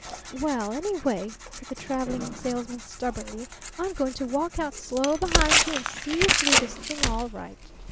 "Well, anyway," said the Traveling Salesman stubbornly, "I'm going to walk out slow behind you and see you through this thing all right."